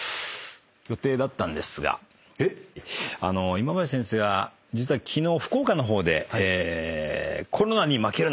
今林先生が実は昨日福岡の方で「コロナに負けるな！